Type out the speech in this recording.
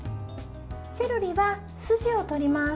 セロリは筋を取ります。